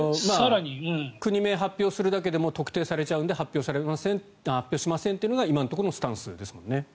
国名を発表するだけでも特定されちゃうので発表しませんというのが今のところのスタンスですもんね。